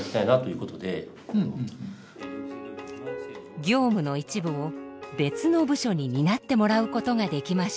業務の一部を別の部署に担ってもらうことができました。